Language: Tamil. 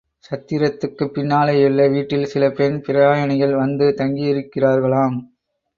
சத்திரத்துக்குப் பின்னாலேயுள்ள வீட்டில் சில பெண் பிரயாணிகள் வந்து தங்கியிருக்கிறார்களாம்.